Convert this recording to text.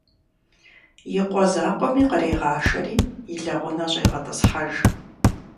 И къуэ закъуэми кърегъашэри и лэгъунэ щӀегъэтӀысхьэж.